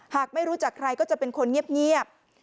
ไม่รู้จักใครก็จะเป็นคนเงียบ